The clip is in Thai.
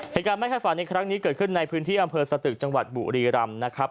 เหตุการณ์ไม่ให้ฝันในครั้งนี้เกิดขึ้นในพื้นที่อำเภอสตึกจังหวัดบุรีรำนะครับ